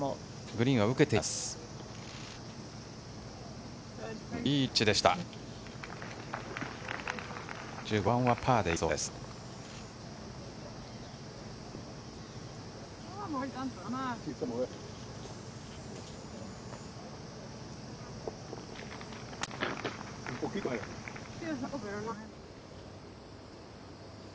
グリーンは受けています。